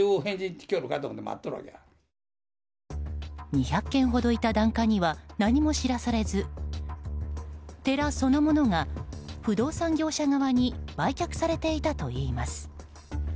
２００軒ほどいた檀家には何も知らされず寺そのものが不動産業者側に売却されていたといいます。